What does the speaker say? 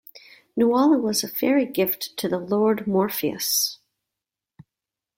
Nuala was a faerie gift to the Lord Morpheus.